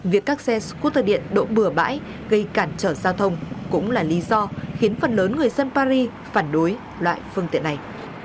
việc các xe scooter điện đổ bừa bãi gây cản trở giao thông cũng là lý do khiến phần lớn người dân paris phản đối loại phương tiện này